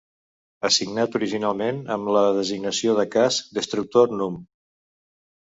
Assignat originalment amb la designació de casc "Destructor núm.